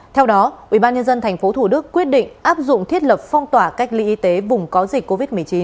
theo đó ubnd tp thủ đức quyết định áp dụng thiết lập phong tỏa cách ly y tế vùng có dịch covid một mươi chín